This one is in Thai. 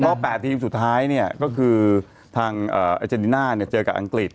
ก็๘ทีมสุดท้ายก็คือทางอาเจนติน่าเจอกับอังกฤษ